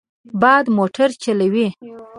باد موټر چلوي.